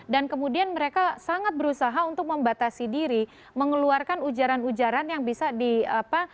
dan kemudian mereka sangat berusaha untuk membatasi diri mengeluarkan ujaran ujaran yang bisa di apa